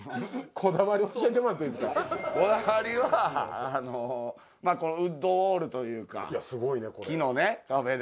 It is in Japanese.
こだわりはこのウッドウォールというか木のね壁で。